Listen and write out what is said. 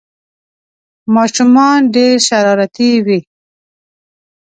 ماشومان ډېر شرارتي وي